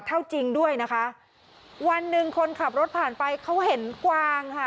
เท่าจริงด้วยนะคะวันหนึ่งคนขับรถผ่านไปเขาเห็นกวางค่ะ